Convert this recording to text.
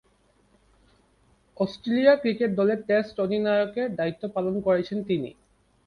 Australia cricket দলের test অধিনায়কের দায়িত্ব পালন করেছেন তিনি।